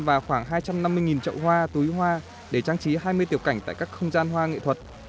và khoảng hai trăm năm mươi trậu hoa túi hoa để trang trí hai mươi tiểu cảnh tại các không gian hoa nghệ thuật